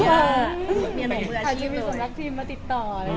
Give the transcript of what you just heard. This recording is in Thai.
ตามทีมีส่วนมาติดต่อ